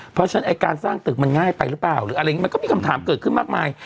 เพราะฉะนั้นการสร้างตึกมันง่ายไปหรือเปล่ามันก็มีคำถามเกิดขึ้นมากมาย